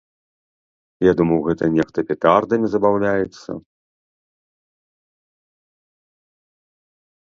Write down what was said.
Я думаў, гэта нехта петардамі забаўляецца.